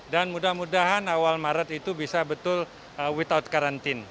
dan mudah mudahan awal maret itu bisa betul without karantin